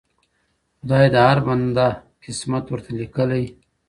خدای د هر بنده قسمت ورته لیکلی